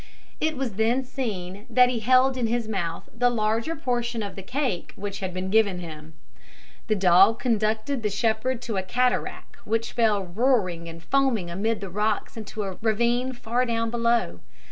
It was then seen that he held in his mouth the larger portion of the cake which had been given him. The dog conducted the shepherd to a cataract which fell roaring and foaming amid rocks into a ravine far down below.